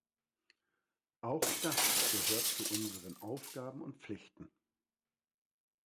Auch das gehört zu unseren Aufgaben und Pflichten.